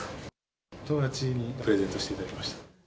友達にプレゼントしていただきました。